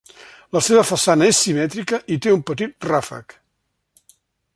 La seva façana és simètrica i té un petit ràfec.